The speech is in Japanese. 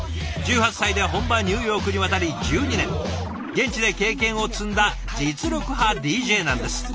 １８歳で本場ニューヨークに渡り１２年現地で経験を積んだ実力派ＤＪなんです。